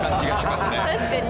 確かに。